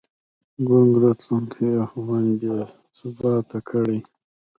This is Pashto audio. ګونګ راتلونکی افغانۍ بې ثباته کړې.